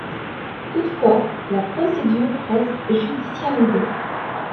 Toutefois, la procédure reste judiciarisée.